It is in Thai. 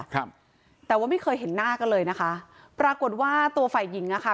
ครับแต่ว่าไม่เคยเห็นหน้ากันเลยนะคะปรากฏว่าตัวฝ่ายหญิงอ่ะค่ะ